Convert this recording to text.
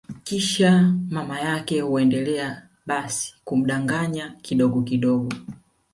Kisha mama yake huendelea basi kumdanganya kidogo kidogo